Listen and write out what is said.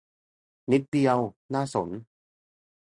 นิดเดียว น่าสน